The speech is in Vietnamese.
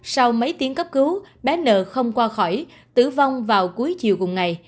sau mấy tiếng cấp cứu bé n không qua khỏi tử vong vào cuối chiều cùng ngày